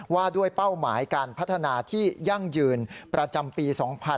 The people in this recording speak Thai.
ว่าด้วยเป้าหมายการพัฒนาที่ยั่งยืนประจำปี๒๕๕๙